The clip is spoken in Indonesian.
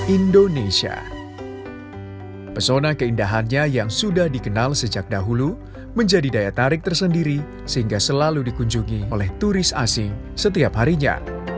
indonesia pesona keindahannya yang sudah dikenal sejak dahulu menjadi daya tarik tersendiri sehingga selalu dikunjungi oleh turis asing setiap harinya